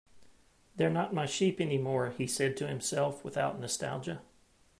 "They're not my sheep anymore," he said to himself, without nostalgia.